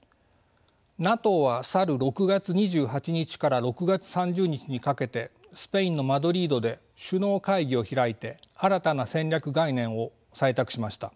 ＮＡＴＯは去る６月２８日から６月３０日にかけてスペインのマドリードで首脳会議を開いて新たな戦略概念を採択しました。